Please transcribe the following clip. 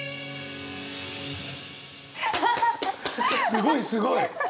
すごいすごい。